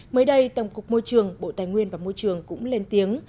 mới đây tổng cục môi trường bộ tài nguyên và môi trường cũng lên tiếng